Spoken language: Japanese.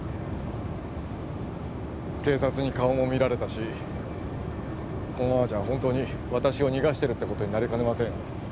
警察に顔も見られたしこのままじゃホントに私を逃がしてるってことになりかねませんよね